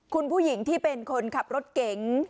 คุณผู้หญิงที่เป็นคนขับรถเก๋ง